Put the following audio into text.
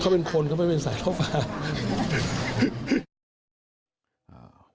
เขาเป็นคนเขาไม่เป็นสายรอบฟ้า